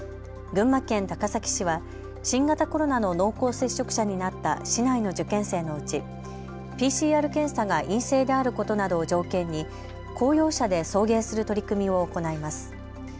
群馬県高崎市は新型コロナの濃厚接触者になった市内の受験生のうちＰＣＲ検査が陰性であることなどを条件に公用車で送迎する取り組みを行います。